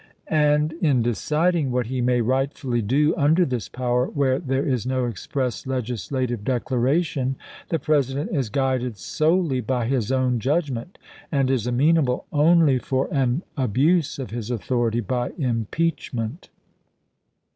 And in decid ing what he may rightfully do under this power, where there is no express legislative declaration, the President is guided solely by his own judgment, and is amenable only for an abuse of his authority by impeachment.